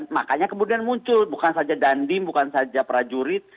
makanya kemudian muncul bukan saja dandim bukan saja prajurit